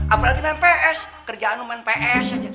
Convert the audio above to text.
apalagi main ps kerjaan lu main ps aja